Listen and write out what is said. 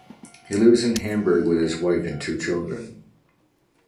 He lives in Hamburg with his wife and two children.